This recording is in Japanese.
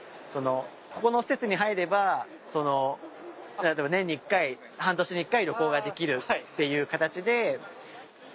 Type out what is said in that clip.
ここの施設に入れば年に１回半年に１回旅行ができるっていう形で。